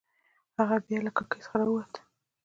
هغه بیا له کړکۍ څخه راووت.